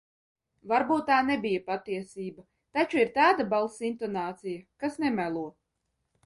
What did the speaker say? Varbūt tā nebija patiesība, taču ir tāda balss intonācija, kas nemelo.